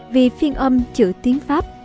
vì phiên âm chữ tiếng pháp